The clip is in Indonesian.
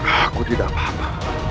aku tidak apa apa